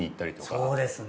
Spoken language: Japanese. そうですね。